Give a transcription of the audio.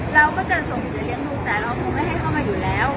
เราก็จะส่งเสียเลี้ยงดูแต่เราคงไม่ให้เข้ามาอยู่แล้ว